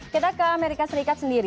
kita ke amerika serikat sendiri